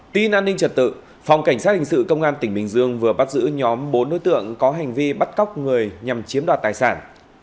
tin an ninh trật tự phòng cảnh sát hình sự công an tỉnh bình dương vừa bắt giữ nhóm bốn đối tượng có hành vi bắt cóc người nhằm chiếm đoạt tài sản